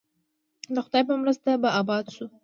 د خدای په مرسته به اباد شو؟